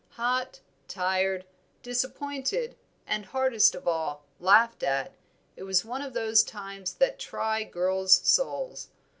Hot, tired, disappointed, and, hardest of all, laughed at, it was one of those times that try girls' souls.